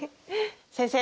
先生！